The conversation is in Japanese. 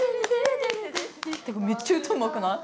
めっちゃ歌うまくない？